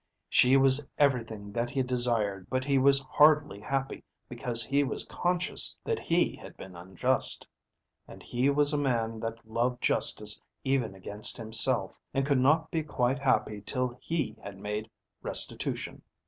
She was everything that he desired, but he was hardly happy because he was conscious that he had been unjust. And he was a man that loved justice even against himself, and could not be quite happy till he had made restitution.